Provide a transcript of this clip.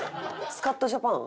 『スカッとジャパン』？